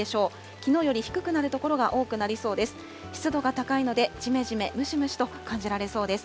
きのうより低くなる所が多くなりそうです。